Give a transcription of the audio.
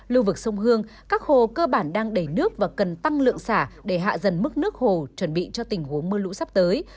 lưu vực sông hương các hồ cơ bản đang đầy nước và cần tăng lượng xả để hạ dần mức nước hồ chuẩn bị cho tình huống mưa lũ sắp tới